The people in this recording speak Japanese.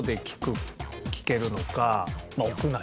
屋内。